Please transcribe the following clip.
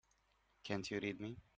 Can't you read me?